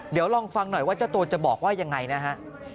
เดี๋ยวลองฟังหน่อยว่าเจ้าตัวจะบอกว่ายังไงนะฮะ